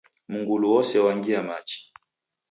Mngulu wose wangia machi.